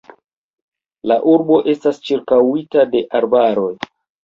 La urbo estas ĉirkaŭita de arbaroj.